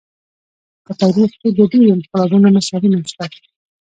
په تاریخ کې د ډېرو انقلابونو مثالونه شته.